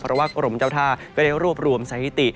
เพราะว่ากรมเจ้าท่าก็ได้รวบรวมสถิติ